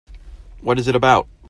What is it about?